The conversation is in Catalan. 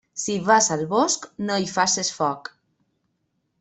Si vas al bosc, no hi faces foc.